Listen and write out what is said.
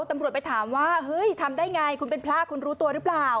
ตำรวจไปถามว่าเฮ้ยทำได้ไงคุณเป็นพระคุณรู้ตัวหรือเปล่า